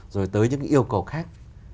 rồi tới những yêu cầu khác